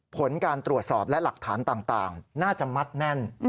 ผลการตรวจสอบและหลักฐานต่างน่าจะมัดแน่น